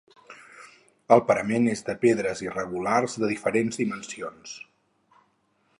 El parament és de pedres irregulars de diferents dimensions.